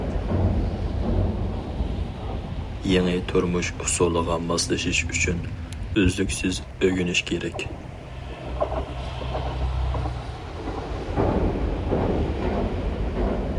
يېڭى تۇرمۇش ئۇسۇلىغا ماسلىشىش ئۈچۈن، ئۈزلۈكسىز ئۆگىنىش كېرەك.